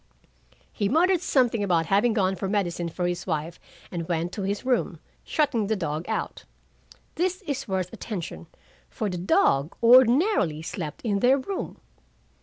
He muttered something about having gone for medicine for his wife and went to his room, shutting the dog out. This is worth attention, for the dog ordinarily slept in their room.'"